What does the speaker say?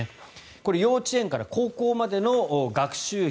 これ幼稚園から高校までの学習費